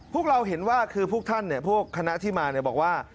พวกเราเห็นว่าคือพวกท่านเนี่ยพวกคณะที่มาบอกว่า